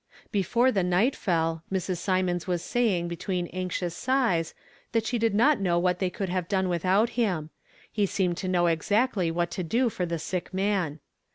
Before the night fell, Mrs. Symonds was saying between anxious sighs that she did not know what they could have done without him ; he seemed to know exactly what to do for the sick man.